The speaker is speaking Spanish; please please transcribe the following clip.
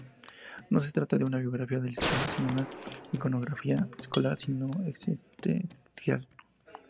No se trata de una biografía al estilo de una iconografía escolar, sino existencial.